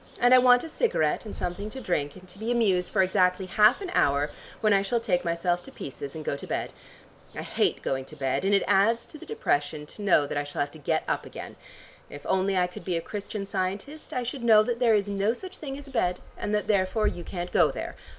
And I want a cigarette and something to drink, and to be amused for exactly half an hour, when I shall take myself to pieces and go to bed. I hate going to bed and it adds to the depression to know that I shall have to get up again. If only I could be a Christian Scientist I should know that there is no such thing as a bed, and that therefore you can't go there.